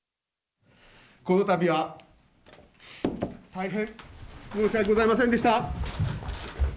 この度は大変申し訳ございませんでした！